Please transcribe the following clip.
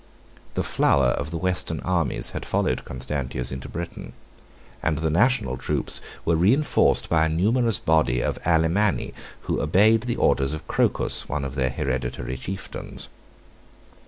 The flower of the western armies had followed Constantius into Britain, and the national troops were reënforced by a numerous body of Alemanni, who obeyed the orders of Crocus, one of their hereditary chieftains.